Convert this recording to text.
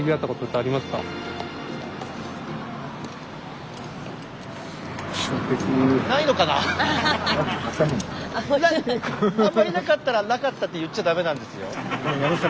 あんまりなかったら「なかった」って言っちゃ駄目なんですよ。